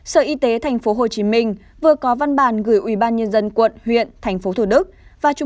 sở y tế thành phố hồ chí minh vừa có văn bản gửi ubnd quận huyện thành phố thủ đức